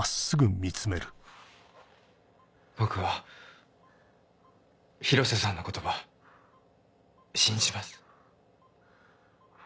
僕は広瀬さんの言葉信じます。